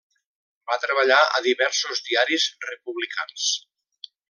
Va treballar a diversos diaris republicans.